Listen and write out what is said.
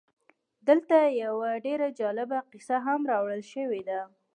دلته یوه ډېره جالبه کیسه هم راوړل شوې ده